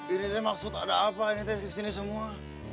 ini maksud ada apa ini kesini semua